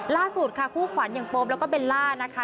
ล่าสุดค่ะคู่ขวัญอย่างโป๊แล้วก็เบลล่านะคะ